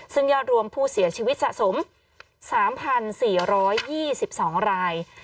ซึ่งยอดรวมผู้เสียชีวิตสะสม๓๔๒๒ราย